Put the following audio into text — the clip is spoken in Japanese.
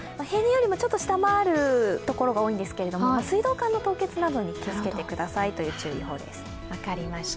平年よりもちょっと下回るところが多いんですけれども、水道管の凍結などに気をつけてくださいという注意報です。